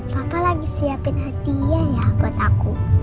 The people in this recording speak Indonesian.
papa lagi siapin hatinya ya buat aku